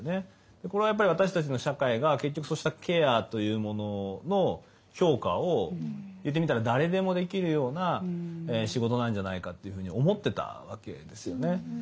これはやっぱり私たちの社会が結局そうしたケアというものの評価を言ってみたら誰でもできるような仕事なんじゃないかっていうふうに思ってたわけですよね。